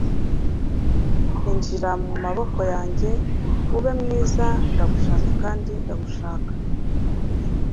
injira mumaboko yanjye, ube mwiza, ndagushaka kandi ndagushaka